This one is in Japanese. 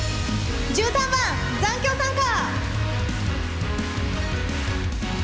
１３番「残響散歌」。